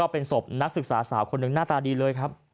เป็นศพนักศึกษาสาวคนหนึ่งหน้าตาดีเลยครับ